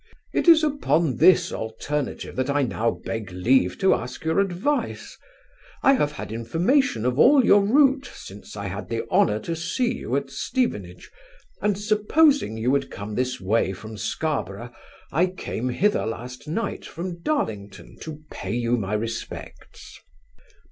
It is upon this alternative that I now beg leave to ask your advice. I have had information of all your route, since I had the honour to see you at Stevenage; and, supposing you would come this way from Scarborough, I came hither last night from Darlington, to pay you my respects.